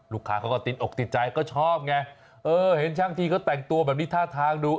ลูกค้าเขาก็ติดอกติดใจก็ชอบไงเออเห็นช่างทีเขาแต่งตัวแบบนี้ท่าทางดู